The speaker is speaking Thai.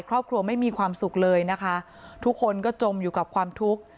ครอบครัวไม่มีความสุขเลยนะคะทุกคนก็จมอยู่กับความทุกข์